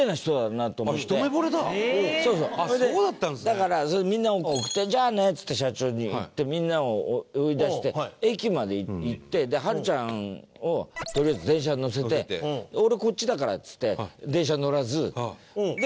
だからみんなを送って「じゃあね！」っつって社長に言ってみんなを追い出して駅まで行って春ちゃんをとりあえず電車に乗せて「俺こっちだから」っつって電車乗らず。